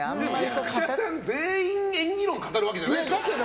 役者全員演技論語るわけじゃないでしょ